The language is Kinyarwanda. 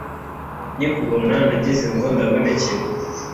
Nkikubona nagizengo ndabonekewe